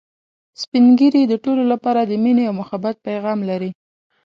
سپین ږیری د ټولو لپاره د ميني او محبت پیغام لري